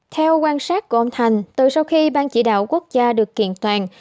theo quan sát của ông thành từ sau khi ban chỉ đạo quốc gia được kiện toàn